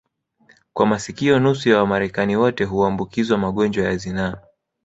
kwa makisio nusu ya Wamarekani wote huambukizwa magonjwa ya zinaa